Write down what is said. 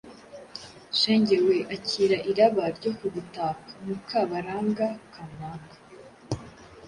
Shenge we akira iraba ryo kugutaka Mukabaranga (kanaka)